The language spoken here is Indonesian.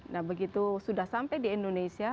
nah begitu sudah sampai di indonesia